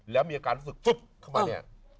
แล้วมีอาการรู้สึกซุบเข้ามาเนี้ย